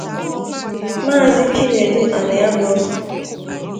Maazị Chinedu Aniagboso